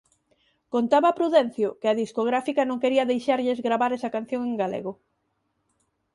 Contaba Prudencio que a discográfica non quería deixarlles gravar esa canción en galego.